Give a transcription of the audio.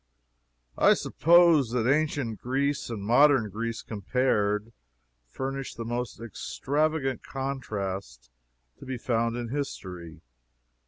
I suppose that ancient Greece and modern Greece compared, furnish the most extravagant contrast to be found in history.